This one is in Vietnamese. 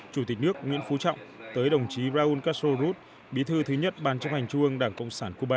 chủ tịch nước nguyễn phú trọng tới đồng chí raúl castro rút bí thư thứ nhất ban chấp hành trung ương đảng cộng sản cuba